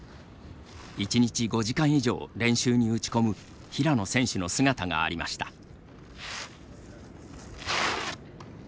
１日５時間以上練習に打ち込む平野選手の姿がありました。